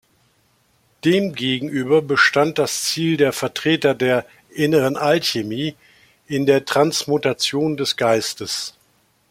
Demgegenüber bestand das Ziel der Vertreter der "inneren Alchemie" in der Transmutation des Geistes.